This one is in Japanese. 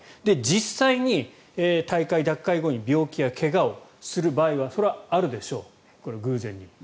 実際に退会、脱会後に病気や怪我をする場合はそれはあるでしょう、偶然にも。